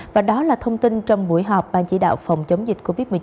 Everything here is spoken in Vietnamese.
và đó là thông tin trong buổi họp ban chỉ đạo phòng chống dịch covid một mươi chín